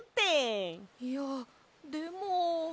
いやでも。